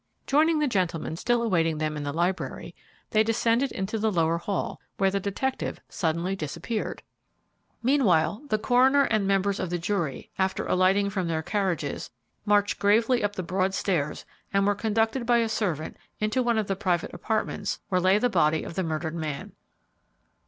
Joining the gentleman still awaiting them in the library, they descended into the lower hall, where the detective suddenly disappeared. Meanwhile, the coroner and members of the jury, after alighting from their carriages, marched gravely up the broad stairs and were conducted by a servant into one of the private apartments where lay the body of the murdered man.